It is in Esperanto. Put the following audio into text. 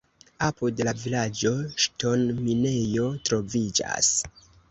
Apud la vilaĝo ŝtonminejo troviĝas.